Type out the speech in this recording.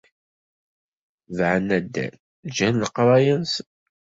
Tebɛen addal, ǧǧan leqraya-nsen.